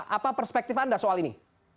apa perspektif anda soal ini